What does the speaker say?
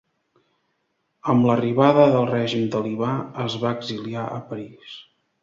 Amb l'arribada del règim talibà, es va exiliar a París.